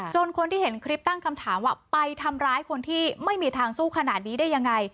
คนที่เห็นคลิปตั้งคำถามว่าไปทำร้ายคนที่ไม่มีทางสู้ขนาดนี้ได้ยังไง